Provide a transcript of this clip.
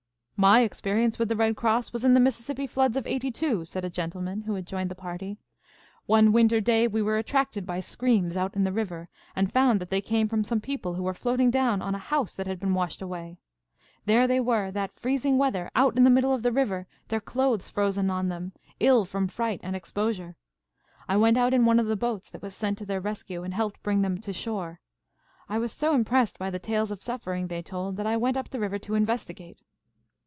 "My experience with the Red Cross was in the Mississippi floods of '82," said a gentleman who had joined the party. "One winter day we were attracted by screams out in the river, and found that they came from some people who were floating down on a house that had been washed away. There they were, that freezing weather, out in the middle of the river, their clothes frozen on them, ill from fright and exposure. I went out in one of the boats that was sent to their rescue, and helped bring them to shore. I was so impressed by the tales of suffering they told that I went up the river to investigate.